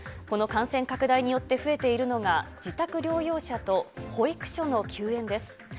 この感染拡大によって増えているのが、自宅療養者と保育所の休園です。